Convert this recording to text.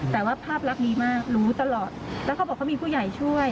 แต่ว่าภาพลักษณ์ดีมากรู้ตลอดแล้วเขาบอกเขามีผู้ใหญ่ช่วย